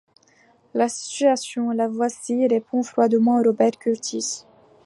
La situation, la voici, répond froidement Robert Kurtis.